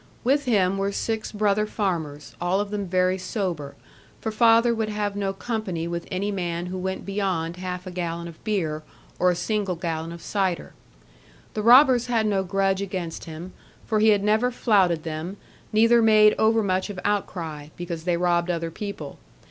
With him were six brother farmers, all of them very sober; for father would have no company with any man who went beyond half a gallon of beer, or a single gallon of cider. The robbers had no grudge against him; for he had never flouted them, neither made overmuch of outcry, because they robbed other people.